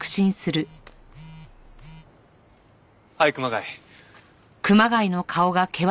はい熊谷。